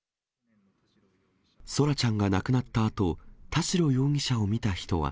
空来ちゃんが亡くなったあと、田代容疑者を見た人は。